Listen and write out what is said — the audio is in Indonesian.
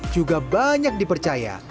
juga banyak dipercaya